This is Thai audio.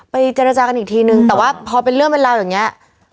เจรจากันอีกทีนึงแต่ว่าพอเป็นเรื่องเป็นราวอย่างนี้